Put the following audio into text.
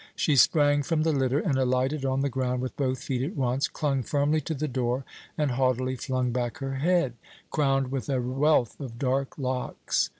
She sprang from the litter and alighted on the ground with both feet at once, clung firmly to the door, and haughtily flung back her head, crowned with a wealth of dark locks.